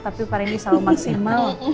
tapi pak randy selalu maksimal